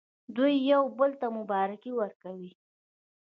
دوی یو بل ته مبارکي ورکوي.